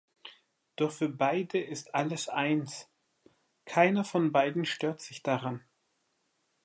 Doch für beide ist alles eins; keiner von beiden stört sich daran.